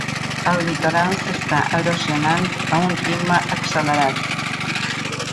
El litoral s'està erosionant a un ritme accelerat.